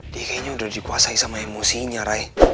dia kayaknya udah dikuasai sama emosinya ray